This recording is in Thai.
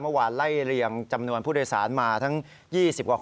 เมื่อวานไล่เรียงจำนวนผู้โดยสารมาทั้ง๒๐กว่าคน